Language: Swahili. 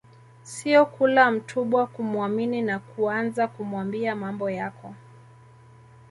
Sio kula mtubwa kumwamini na kuaanza kumwambia mambo yako